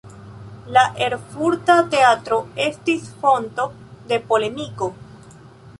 La Erfurta Teatro estis fonto de polemiko.